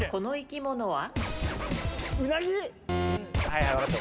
この生き物は？